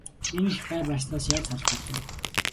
Энэ их гай барцдаас яаж салах билээ?